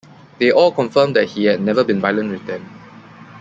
They all confirmed that he had never been violent with them.